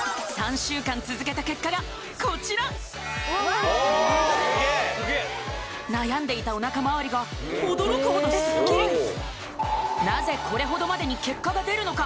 週間続けた結果がこちらおっすげえ悩んでいたおなかまわりが驚くほどスッキリなぜこれほどまでに結果が出るのか？